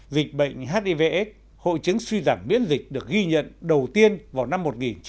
dịch bệnh hivs hội chứng suy giảm biến dịch được ghi nhận đầu tiên vào năm một nghìn chín trăm tám mươi một